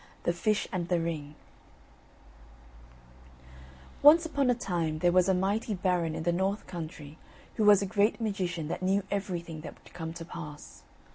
THE FISH AND THE RING Once upon a time, there was a mighty baron in the North Countrie who was a great magician that knew everything that would come to pass.